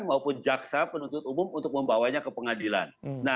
maupun jaksa penuntut umum untuk membawanya ke pengadilan